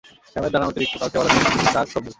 সামনের ডানা অতিরিক্ত কালচে-বাদামি দাগ-ছোপযুক্ত।